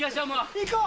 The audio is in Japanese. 行こう。